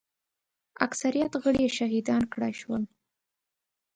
اکثریت غړي یې شهیدان کړای شول.